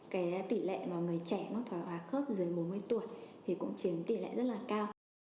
cái tỷ lệ mà người trẻ nó thói hóa khớp dưới bốn mươi tuổi thì cũng chiến tỷ lệ rất là cao